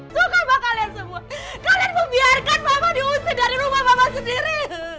suka mah kalian semua kalian membiarkan mama diusir dari rumah mama sendiri